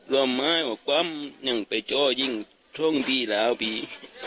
ล้อม้ายกว่ากว้ำยังไปเจ้ายิ่งท่องที่แล้วพี่